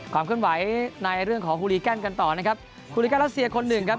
ความเคลื่อนไหวในเรื่องของฮูลีแกนกันต่อนะครับภูริกันรัสเซียคนหนึ่งครับ